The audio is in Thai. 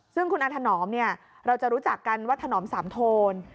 ซึ่งคุณอาถนอมเนี่ยเราจะรู้จักกันว่าถนอมสามโทน